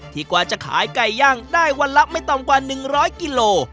กว่าจะขายไก่ย่างได้วันละไม่ต่ำกว่า๑๐๐กิโล